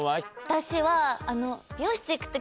私は。